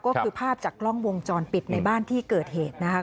ก็คือภาพจากกล้องวงจรปิดในบ้านที่เกิดเหตุนะคะ